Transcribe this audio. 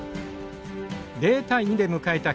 ０対２で迎えた